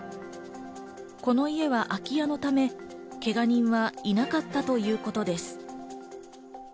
この家は空き家のためけが人はいなかったということです。